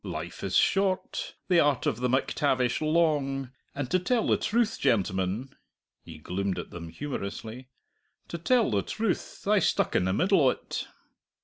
"Life is short, the art of the MacTavish long, and to tell the truth, gentlemen" he gloomed at them humorously "to tell the truth, I stuck in the middle o't!"